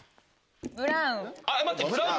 ブラウン。